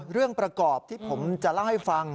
เรื่องประกอบที่ผมจะเล่าให้ฟัง